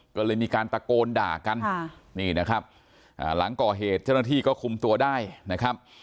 ก็เลยมีการตะโกนด่ากันนี่นะครับหลังก่อเหตุเจ้าหน้าที่ก็คุมตัวได้นะครับ